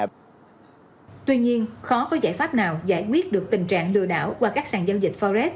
tuy nhiên khó có giải pháp nào giải quyết được tình trạng lừa đảo qua các sàn giao dịch forex